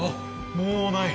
もうない。